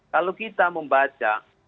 kalau kita membaca